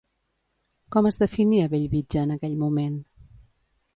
Com es definia Bellvitge en aquell moment?